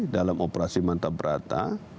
dalam operasi manta berata